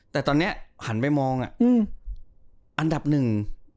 แต่ตอนนี้หันไปมองอ่ะอืมอันดับหนึ่ง